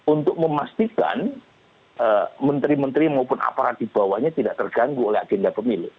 untuk memastikan menteri menteri maupun aparat dibawahnya tidak terganggu oleh agenda pemilih